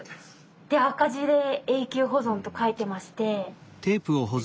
で赤字で「永久保存」と書いてまして。